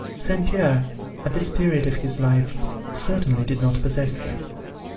St. Pierre, at this period of his life, certainly did not possess them.